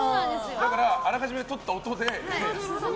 だから、あらかじめとった音で。